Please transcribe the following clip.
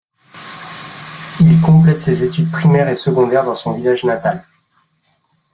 Il complète ses études primaires et secondaires dans son village natal.